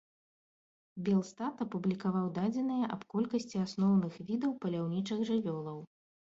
Белстат апублікаваў дадзеныя аб колькасці асноўных відаў паляўнічых жывёлаў.